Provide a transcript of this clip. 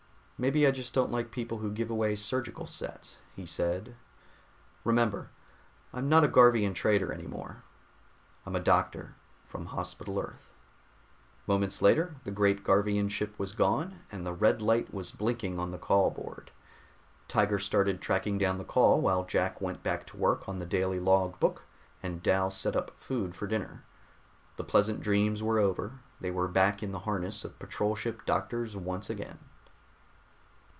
"Maybe I just don't like people who give away surgical sets," he said. "Remember, I'm not a Garvian trader any more. I'm a doctor from Hospital Earth." Moments later, the great Garvian ship was gone, and the red light was blinking on the call board. Tiger started tracking down the call while Jack went back to work on the daily log book and Dal set up food for dinner. The pleasant dreams were over; they were back in the harness of patrol ship doctors once again.